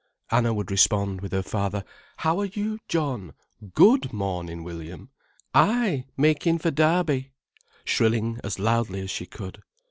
Anna would respond, with her father: "How are you, John! Good mornin', William! Ay, makin' for Derby," shrilling as loudly as she could.